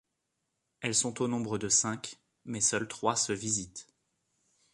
Elles sont au nombre de cinq, mais seules trois se visitent.